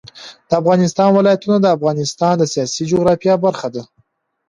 د افغانستان ولايتونه د افغانستان د سیاسي جغرافیه برخه ده.